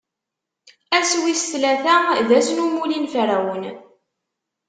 Ass wis tlata, d ass n umulli n Ferɛun.